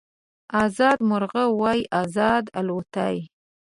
ازاد مرغه وای ازاد الوتای